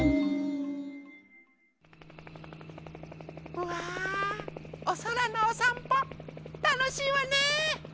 うわおそらのおさんぽたのしいわね。